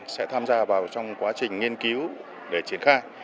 sẽ tham gia vào trong quá trình nghiên cứu để triển khai